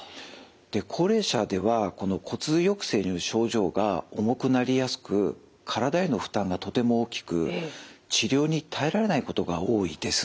で高齢者ではこの骨髄抑制による症状が重くなりやすく体への負担がとても大きく治療に耐えられないことが多いです。